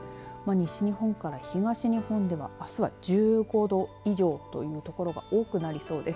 西日本から東日本ではあすは１５度以上という所が多くなりそうです。